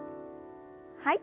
はい。